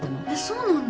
そうなんだ。